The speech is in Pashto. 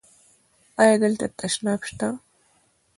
ایا دلته تشناب شته؟